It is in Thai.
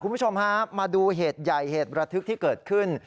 คุณผู้ชมฮะมาดูเหตุใหญ่เหตุระทึกที่เกิดขึ้น